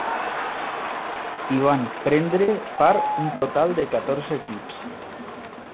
Hi van prendre part un total de catorze equips.